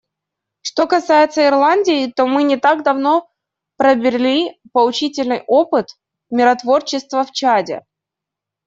Что касается Ирландии, то мы не так давно пробрели поучительный опыт миротворчества в Чаде.